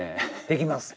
できます！